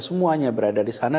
semuanya berada disana